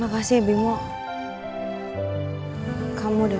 gak jatuh kan nih